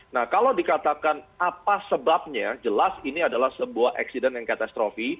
nah kalau dikatakan apa sebabnya jelas ini adalah sebuah eksident yang katastrofi